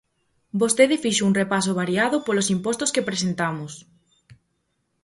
Vostede fixo un repaso variado polos impostos que presentamos.